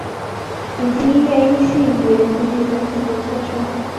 以及医院因性别注记的性别错称。